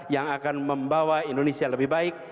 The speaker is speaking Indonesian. yang akan membawa indonesia lebih baik